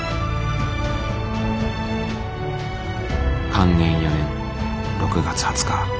寛延４年６月２０日。